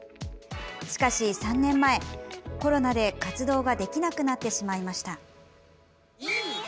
しかし３年前、コロナで活動ができなくなってしまいました。